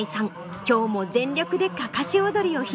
今日も全力でかかし踊りを披露します。